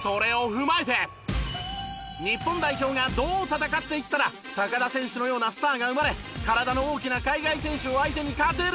日本代表がどう戦っていったら田選手のようなスターが生まれ体の大きな海外選手を相手に勝てるのか？